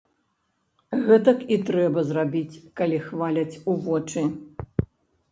Гэтак і трэба зрабіць, калі хваляць у вочы.